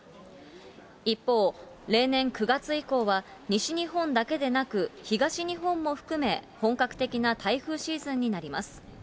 一方、例年９月以降は、西日本だけでなく、東日本も含め、本格的な台風シーズンになります。